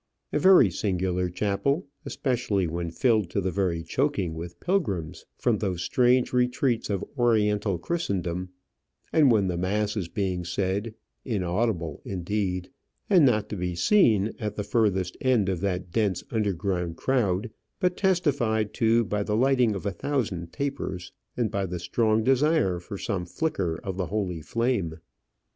A very singular chapel, especially when filled to the very choking with pilgrims from those strange retreats of oriental Christendom, and when the mass is being said inaudible, indeed, and not to be seen, at the furthest end of that dense, underground crowd, but testified to by the lighting of a thousand tapers, and by the strong desire for some flicker of the holy flame.